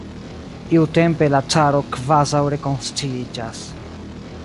Iutempe la caro kvazaŭ rekonsciiĝas.